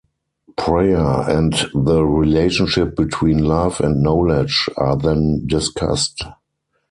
Prayer, and the relationship between love and knowledge are then discussed.